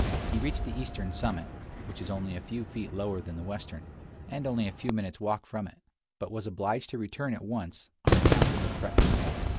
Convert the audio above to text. He reached the eastern summit, which is only a few feet lower than the western, and only a few minutes' walk from it, but was obliged to return at once on account of the threatening weather.